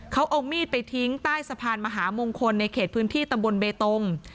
เขาเอามีดไปทิ้งใต้สะพานมหามงคลในเขตพื้นที่ตำบลเบตง